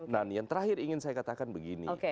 nah yang terakhir ingin saya katakan begini